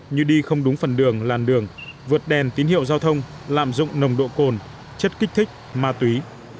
như đi không đúng phần đường làn đường vượt đèn tín hiệu giao thông lạm dụng nồng độ cồn chất kích thích ma túy